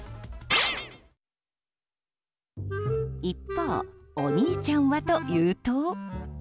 一方お兄ちゃんはというと。